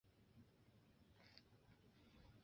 这与汽油的理论比能相媲美。